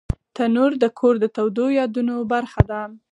تنور د کور د تودو یادونو برخه ده